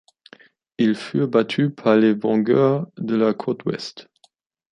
Ils furent battus par les Vengeurs de la Côte Ouest.